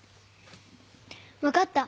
分かった。